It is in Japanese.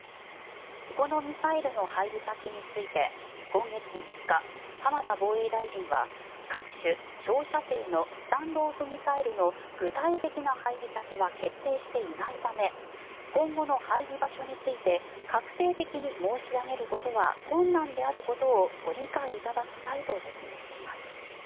このミサイルの配備先について今月３日浜田防衛大臣は各種、長射程のスタンド・オフ・ミサイルの具体的な配備先は決定していないため今後の配備場所について確定的に申し上げることは困難であることをご理解いただきたいと説明しています。